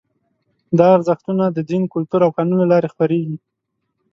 دا ارزښتونه د دین، کلتور او قانون له لارې خپرېږي.